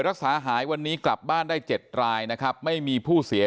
รักษาหายวันนี้กลับบ้านได้๗รายนะครับไม่มีผู้เสีย